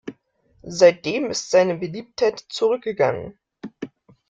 Seitdem ist seine Beliebtheit zurückgegangen.